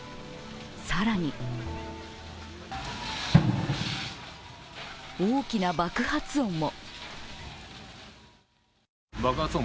更に大きな爆発音も。